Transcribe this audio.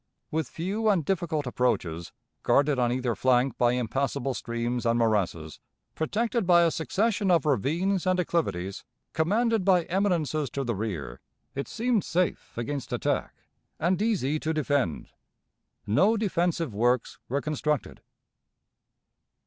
With few and difficult approaches, guarded on either flank by impassable streams and morasses, protected by a succession of ravines and acclivities, commanded by eminences to the rear, it seemed safe against attack, and easy to defend. No defensive works were constructed.